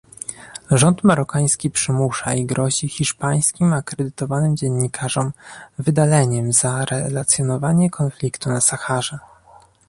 rząd marokański przymusza i grozi hiszpańskim akredytowanym dziennikarzom wydaleniem za relacjonowanie konfliktu na Saharze